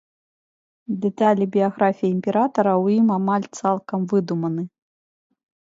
Дэталі біяграфіі імператара ў ім амаль цалкам выдуманы.